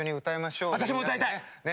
私も歌いたい！ね。